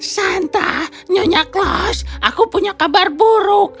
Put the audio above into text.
santa nyonya class aku punya kabar buruk